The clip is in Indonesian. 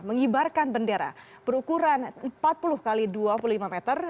mengibarkan bendera berukuran empat puluh x dua puluh lima meter